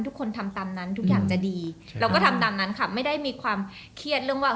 ทุกคนทำตามนั้นทุกอย่างจะดีเราก็ทำตามนั้นค่ะไม่ได้มีความเครียดเรื่องว่า